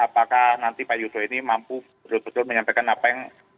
apakah nanti pak yusuf ini mampu betul betul menyampaikan apa yang